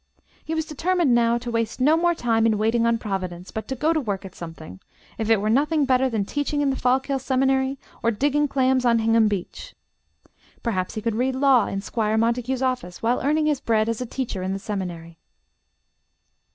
He was determined now to waste no more time in waiting on Providence, but to go to work at something, if it were nothing better, than teaching in the Fallkill Seminary, or digging clams on Hingham beach. Perhaps he could read law in Squire Montague's office while earning his bread as a teacher in the Seminary.